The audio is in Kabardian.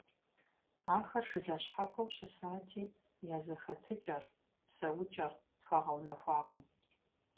Ахэр жылэ щхьэхуэу щысати, я зэхэтыкӀэр, псэукӀэр тхуэгъэунэхуакъым.